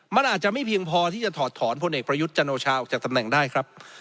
มันอาจจะไม่เพียงพอที่จะถอดถอนพลเอกประยุทธ์จันโอชาออกจากตำแหน่งได้ครับ